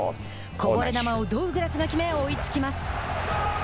こぼれ球をドウグラスが決め追いつきます。